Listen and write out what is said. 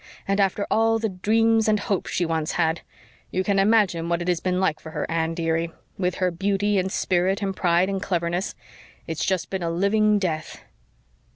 And after all the dreams and hopes she once had! You can imagine what it has been like for her, Anne, dearie with her beauty and spirit and pride and cleverness. It's just been a living death."